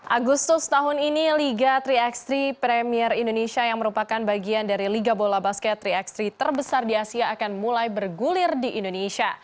agustus tahun ini liga tiga x tiga premier indonesia yang merupakan bagian dari liga bola basket tiga x tiga terbesar di asia akan mulai bergulir di indonesia